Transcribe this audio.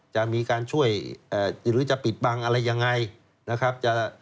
จะมีการช่วยหรือจะปิดบังอะไรยังไงนะครับ